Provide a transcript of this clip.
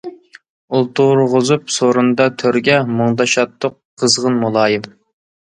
ئولتۇرغۇزۇپ سورۇندا تۆرگە، مۇڭدىشاتتۇق قىزغىن، مۇلايىم.